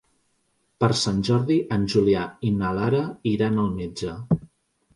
Per Sant Jordi en Julià i na Lara iran al metge.